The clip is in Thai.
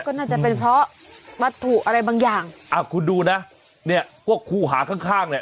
ก็น่าจะเป็นเพราะวัตถุอะไรบางอย่างอ่าคุณดูนะเนี่ยพวกคู่หาข้างข้างเนี่ย